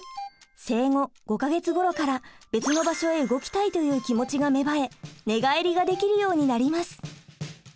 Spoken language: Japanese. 生後５か月ごろから別の場所へ動きたいという気持ちが芽生え「寝返り」ができるようになります。